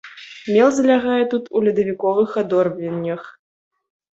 Мел залягае тут у ледавіковых адорвенях.